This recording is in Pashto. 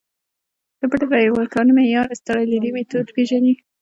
د پټې رایې ورکونې معیار اسټرالیايي میتود پېژندل کېږي.